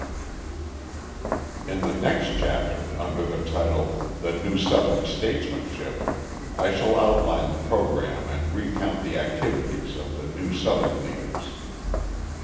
NORTHEN of Georgia] In the next chapter, under the title "The New Southern Statesmanship," I shall outline the programme and recount the activities of the new Southern leaders.